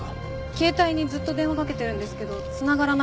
携帯にずっと電話かけてるんですけど繋がらなくて。